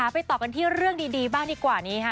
ไปต่อกันที่เรื่องดีบ้างดีกว่านี้ค่ะ